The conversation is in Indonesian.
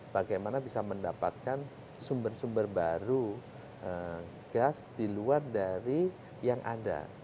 bagaimana bisa mendapatkan sumber sumber baru gas di luar dari yang ada